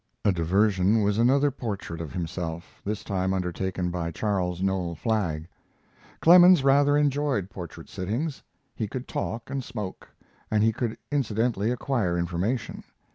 A diversion was another portrait of himself, this time undertaken by Charles Noel Flagg. Clemens rather enjoyed portrait sittings. He could talk and smoke, and he could incidentally acquire information.